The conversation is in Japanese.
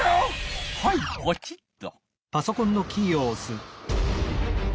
はいポチッと。